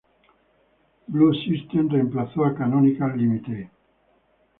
Blue Systems reemplazó a Canonical Ltd.